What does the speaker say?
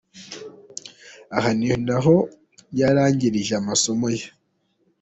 Aha ni naho yarangirije amasomo ye.